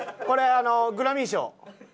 これあのグラミー賞。